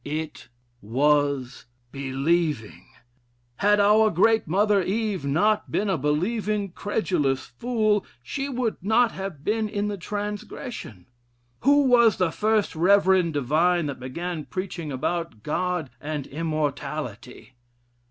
It was believing. Had our great mother Eve not been a believing credulous fool, she would not have been in the transgression. Who was the first reverend divine that began preaching about God and immortality?